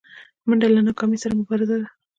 منډه له ناکامۍ سره مبارزه ده